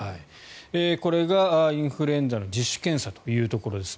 これがインフルエンザの自主検査というところです。